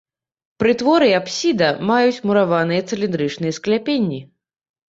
Прытвор і апсіда маюць мураваныя цыліндрычныя скляпенні.